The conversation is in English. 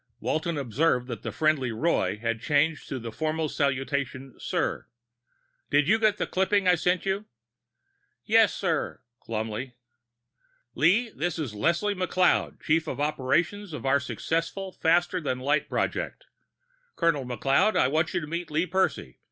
Walton observed that the friendly Roy had changed to the formal salutation, sir. "Did you get the clipping I sent you?" "Yes, sir." Glumly. "Lee, this is Leslie McLeod, chief of operations of our successful faster than light project. Colonel McLeod, I want you to meet Lee Percy.